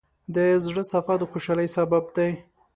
د زړۀ صفا د خوشحالۍ سبب دی.